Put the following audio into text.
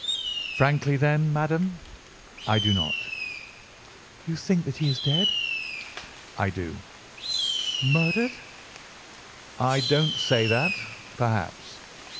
"Frankly, then, madam, I do not." "You think that he is dead?" "I do." "Murdered?" "I don't say that. Perhaps."